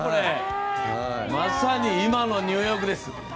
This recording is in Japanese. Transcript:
まさに今のニューヨークです。